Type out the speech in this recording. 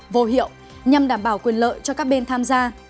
vô hiệu nhằm đảm bảo quyền lợi cho các bên tham gia